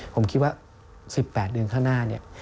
ผมคิดว่า๑๘เดือนข้างหน้า